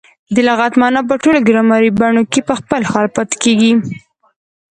د لغت مانا په ټولو ګرامري بڼو کښي په خپل حال پاته کیږي.